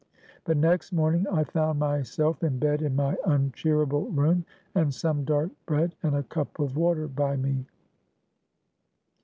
But next morning I found myself in bed in my uncheerable room, and some dark bread and a cup of water by me.